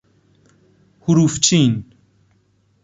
حروفچین